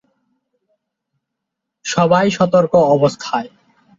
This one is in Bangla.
সবাই সতর্ক অবস্থায়।